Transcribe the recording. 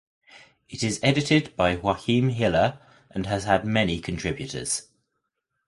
It is edited by Joachim Hiller and has had many contributors.